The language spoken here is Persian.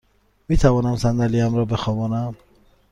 می توانم صندلی ام را بخوابانم؟